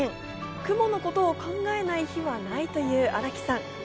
雲のことを考えない日はないという荒木さん。